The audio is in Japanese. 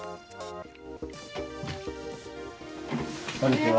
こんにちは。